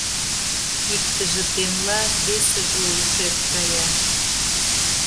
Иктыже темла, весыже — ушет кая.